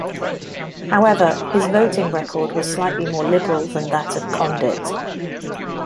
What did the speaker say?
However, his voting record was slightly more liberal than that of Condit.